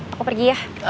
aku pergi ya